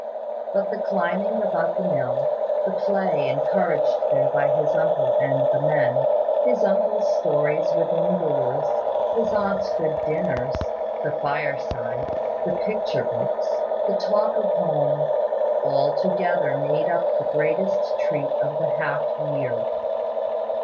But the climbing about the mill, the play encouraged there by his uncle and the men, his uncle's stories within doors, his aunt's good dinners, the fire side, the picture books, the talk of home, altogether made up the greatest treat of the half year.